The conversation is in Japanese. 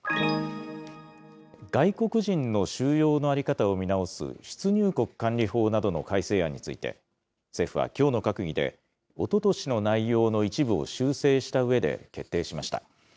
外国人の収容の在り方を見直す出入国管理法などの改正案について、政府はきょうの閣議で、おととしの内容の一部を修正したうえで決定しました。